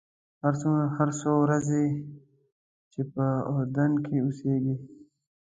هر څومره ورځې چې په اردن کې اوسېږې.